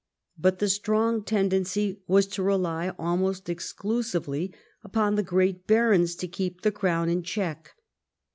But the strong tendency was to rely almost exclusively upon the great barons to keep the crown in check.